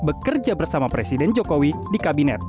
bekerja bersama presiden jokowi di kabinet